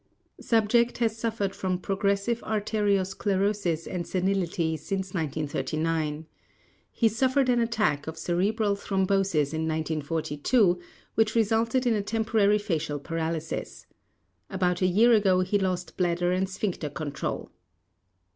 Subject has suffered from progressive arteriosclerosis and senility since 1939. He suffered an attack of cerebral thrombosis in 1942, which resulted in a temporary facial paralysis. About a year ago he lost bladder and sphincter control.